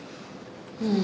うん。